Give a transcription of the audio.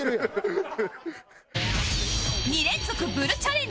２連続ブルチャレンジ